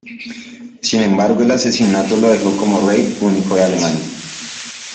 Sin embargo, el asesinato lo dejó como rey único de Alemania.